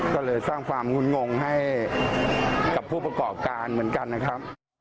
ก็เลยสร้างความงุ่นงงให้กับผู้ประกอบการเหมือนกันนะครับ